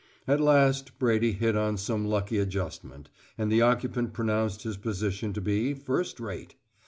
At last Brady hit on some lucky adjustment, and the occupant pronounced his position to be first rate.